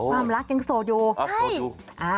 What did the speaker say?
ความรักยังโสดู